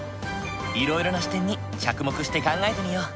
いろいろな視点に着目して考えてみよう。